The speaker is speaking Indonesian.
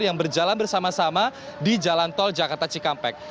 yang berjalan bersama sama di jalan tol jakarta cikampek